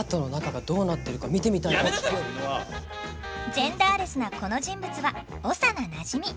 ジェンダーレスなこの人物は長名なじみ。